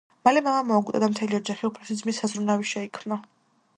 მალე მამა მოუკვდა და მთელი ოჯახი უფროსი ძმის საზრუნავი შეიქმნა.